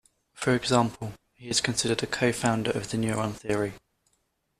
For example, he is considered a co-founder of the neuron theory.